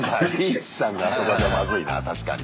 リーチさんがあそこじゃまずいな確かに。